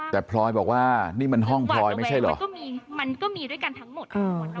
แต่พลอยบอกว่านี่มันห้องพลอยไม่ใช่เหรอ